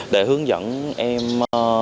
để hướng dẫn em